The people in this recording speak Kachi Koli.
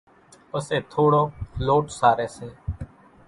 پسي ٿوڙوڪ لوٽ ساري سي،